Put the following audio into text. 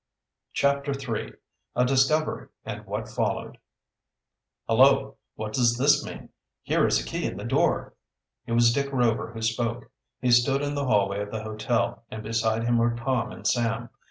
CHAPTER III A DISCOVERY AND WHAT FOLLOWED "Hullo, what does this mean? Here is a key in the door." It was Dick Rover who spoke. He stood in the hallway of the hotel, and beside him were Tom and Sam.